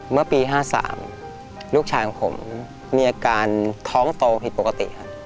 เมื่อปี๕๓ลูกชายของผมมีอาการท้องโตผิดปกติครับ